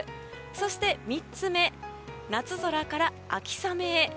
そして３つ目、夏空から秋雨へ。